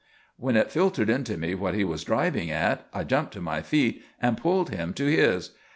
When it filtered into me what he was driving at I jumped to my feet and pulled him to his.